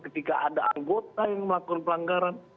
ketika ada anggota yang melakukan pelanggaran